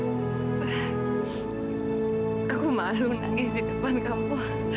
aku malu nangis di depan kamu